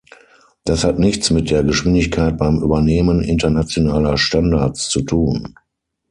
Das hat nichts mit der Geschwindigkeit beim Übernehmen internationaler Standards zu tun.